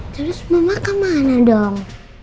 terus mama kemana dong